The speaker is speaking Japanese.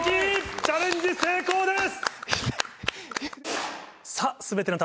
チャレンジ成功です！